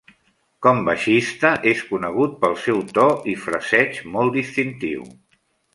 Com baixista, és conegut pel seu to i fraseig molt distintiu.